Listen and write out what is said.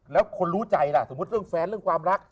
แล้วคนรู้ใจล่ะสมมุติเรื่องแฟนเรื่องความรัก